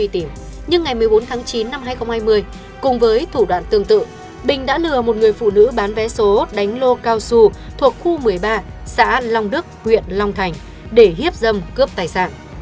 tháng chín năm hai nghìn hai mươi cùng với thủ đoạn tương tự bình đã lừa một người phụ nữ bán vé số đánh lô cao su thuộc khu một mươi ba xã long đức huyện long thành để hiếp dâm cướp tài sản